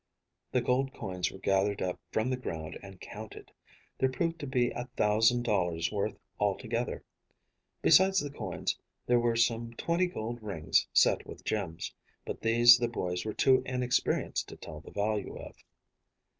The gold coins were gathered up from the ground and counted. There proved to be a thousand dollars' worth altogether. Besides the coins, there were some twenty gold rings set with gems, but these the boys were too inexperienced to tell the full value of.